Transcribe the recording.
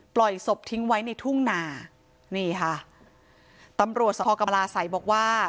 ปล่อยศพทิ้งไว้ในทุ่งนานี่ค่ะตำรวจสภกรรมราศัยบอกว่า